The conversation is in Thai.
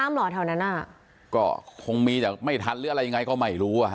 เหรอแถวนั้นอ่ะก็คงมีแต่ไม่ทันหรืออะไรยังไงก็ไม่รู้อ่ะฮ